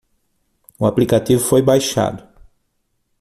O aplicativo foi baixado.